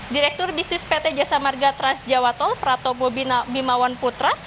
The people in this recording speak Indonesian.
direktur bisnis pt jasa marga transjawa tol pratobo bimawan putra